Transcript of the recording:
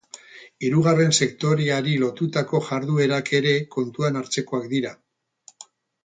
Hirugarren sektoreari lotutako jarduerak ere kontuan hartzekoak dira.